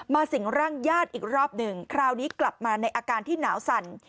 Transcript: สิ่งร่างญาติอีกรอบหนึ่งคราวนี้กลับมาในอาการที่หนาวสั่น